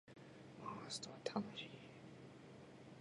モンストは楽しい